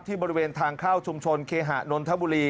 บริเวณทางเข้าชุมชนเคหะนนทบุรี